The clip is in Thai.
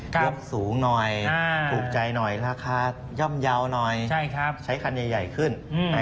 ยกสูงหน่อยถูกใจหน่อยราคาย่อมเยาว์หน่อยใช้คันใหญ่ขึ้น